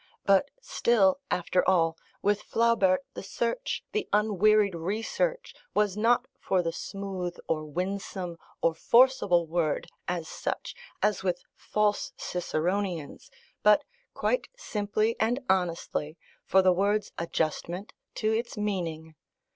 But still, after all, with Flaubert, the search, the unwearied research, was not for the smooth, or winsome, or forcible word, as such, as with false Ciceronians, but quite simply and honestly, for the word's adjustment to its meaning.